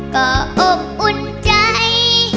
ก็อบอุ่นใจ